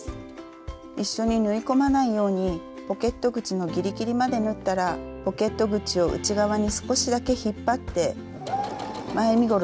一緒に縫い込まないようにポケット口のギリギリまで縫ったらポケット口を内側に少しだけ引っ張って前身ごろと後ろ身ごろだけを縫うようにしましょう。